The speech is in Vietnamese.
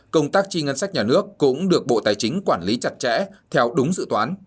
công tác chi ngân sách nhà nước cũng được bộ tài chính quản lý chặt chẽ theo đúng dự toán